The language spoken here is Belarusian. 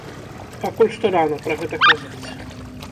Пакуль што рана пра гэта казаць.